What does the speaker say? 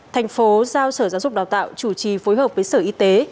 thành phố giao sở giáo dục đào tạo chủ trì phối hợp với sở y tế